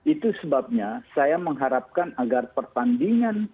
itu sebabnya saya mengharapkan agar pertandingan